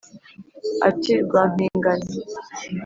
Ati: “Rwampingane!”